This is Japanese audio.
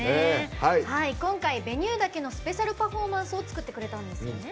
今回「Ｖｅｎｕｅ」だけのスペシャルパフォーマンスを作ってくれたんですよね。